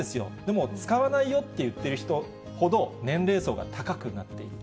もう使わないよっていっる人ほど、年齢層が高くなっている。